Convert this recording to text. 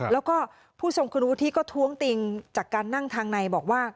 แล้วก็ผู้ทรงคุณวุฒิก็ท้วงติงจากการนั่งทางในบอกว่า